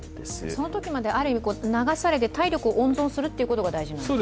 そのときまで、ある意味、流されて、体力を温存することが大事なんですか？